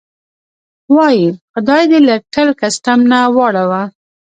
وایي: خدای دې له ټل کسټم نه واړوه.